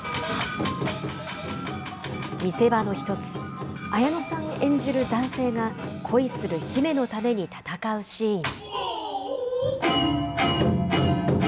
見せ場の一つ、綾乃さん演じる男性が、恋する姫のために戦うシーン。